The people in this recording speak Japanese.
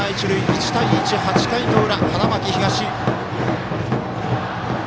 １対１、８回の裏、花巻東。